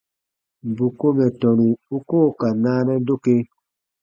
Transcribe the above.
Bù ko mɛ̀ tɔnu u koo ka naanɛ doke.